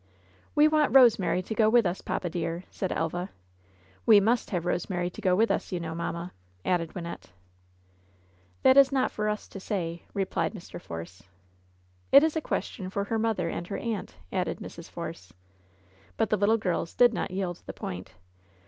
"We want Eosemary to go with us, papa, dear," said Elva. "We must have Eosemary to go with us, you know, mamma," added Wynnette. "That is not for us to say," replied Mr. Force. "It is a question for her mother and her aunt," added Mrs. Force. But the little girls did not yield the point.